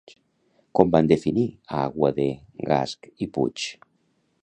Com van definir a Aguadé, Gasch i Puig?